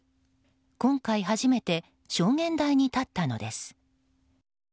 今回、初めて証言台に立ったのです。